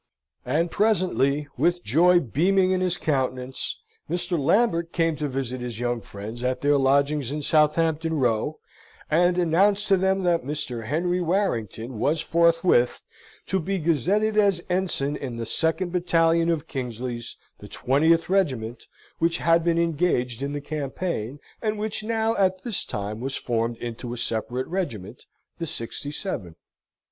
And presently, with joy beaming in his countenance, Mr. Lambert came to visit his young friends at their lodgings in Southampton Row, and announced to them that Mr. Henry Warrington was forthwith to be gazetted as Ensign in the Second Battalion of Kingsley's, the 20th Regiment, which had been engaged in the campaign, and which now at this time was formed into a separate regiment, the 67th.